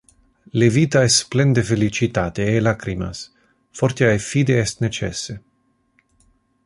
Le vita es plen de felicitate e lacrimas, fortia e fide es necesse.